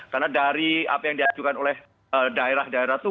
karena dari apa yang diajukan oleh daerah daerah itu